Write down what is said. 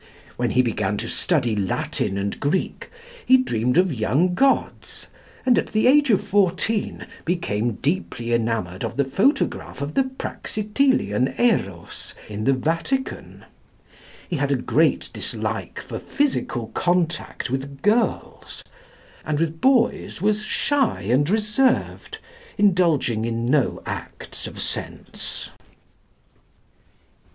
When he began to study Latin and Greek, he dreamed of young gods, and at the age of fourteen, became deeply enamoured of the photograph of the Praxitelian Erôs in the Vatican. He had a great dislike for physical contact with girls; and with boys was shy and reserved, indulging in no acts of sense.